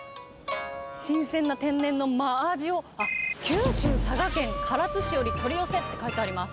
新鮮な天然のマアジを、あっ、九州・佐賀県唐津市より取り寄せって書いてあります。